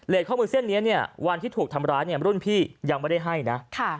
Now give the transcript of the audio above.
เรทข้อมือเส้นนี้วันที่ถูกทำร้ายรุ่นพี่ยังไม่ได้ให้นะ